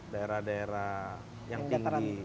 daerah daerah yang tinggi